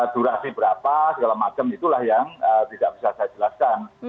durasi berapa segala macam itulah yang tidak bisa saya jelaskan